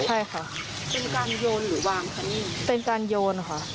ใช่ค่ะเป็นการโยนหรือวางคะนี่เป็นการโยนค่ะ